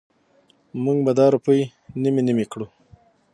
مونږ به دا روپۍ نیمې نیمې کړو.